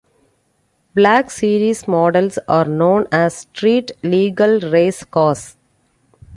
Black Series models are known as street legal race cars.